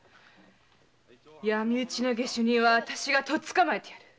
闇討ちの下手人はあたしがとっ捕まえてやる。